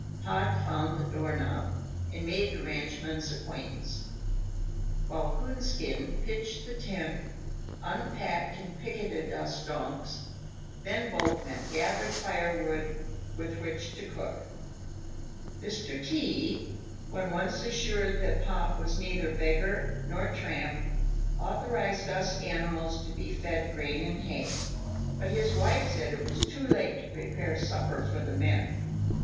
Pod found the doorknob, and made the ranchman's acquaintance, while Coonskin pitched the tent, unpacked and picketed us donks, then both men gathered fire wood with which to cook. Mr. T , when once assured that Pod was neither beggar nor tramp, authorized us animals to be fed grain and hay; but his wife said it was too late to prepare supper for the men.